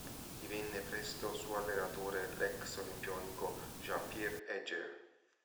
Divenne presto suo allenatore l'ex olimpionico Jean-Pierre Egger.